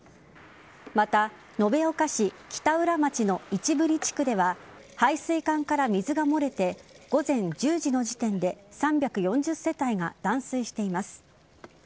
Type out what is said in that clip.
また延岡市北浦町の市振地区では排水管から水が漏れて午前１０時の時点で３４０世帯が断水しています。